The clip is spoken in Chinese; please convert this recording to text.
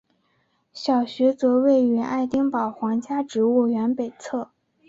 小学则位于爱丁堡皇家植物园北侧。